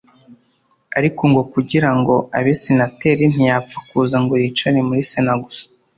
ariko ngo kugira ngo abe senateri ntiyapfa kuza ngo yicare muri sena gusa